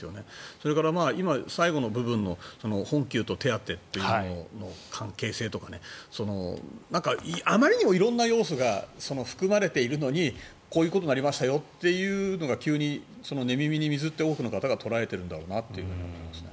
それから今、最後の部分の本給と手当の関係性とかあまりにも色んな要素が含まれているのにこういうことになりますよっていうのが急に寝耳に水って多くの方が捉えているんだろうなと思います。